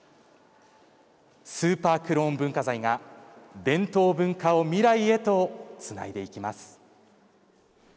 スーパークローン文化財が伝統文化を未来へとつないでいきます。